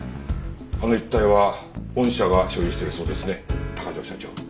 あの一帯は御社が所有しているそうですね高城社長。